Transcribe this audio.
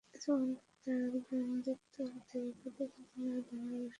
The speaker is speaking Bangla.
ইতোমধ্যে তার জ্ঞানদীপ্ত হাতের একাধিক উপন্যাস বাংলা ভাষায় অনূদিত হয়ে সারাদেশে আলোড়ন সৃষ্টি করেছে।